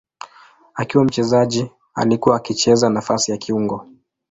Akiwa mchezaji alikuwa akicheza nafasi ya kiungo.